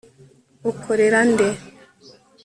ukorera nde